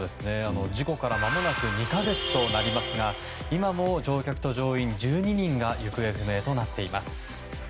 事故からまもなく２か月となりますが今も乗客と乗員１２人が行方不明になっています。